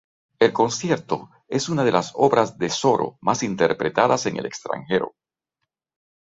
El Concierto es una de las obras de Soro más interpretadas en el extranjero.